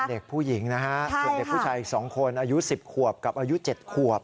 เด็กผู้หญิงนะฮะส่วนเด็กผู้ชายอีก๒คนอายุ๑๐ขวบกับอายุ๗ขวบ